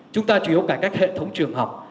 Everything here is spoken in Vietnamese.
chúng ta chủ yếu cải cách hệ thống trường học